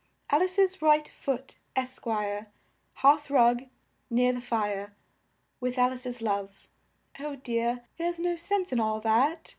AL ICE'S RIGHT FOOT, ESQ., Hearth rug, Near the Fire. (With Al ice's love.) Oh dear, there's no sense in all that."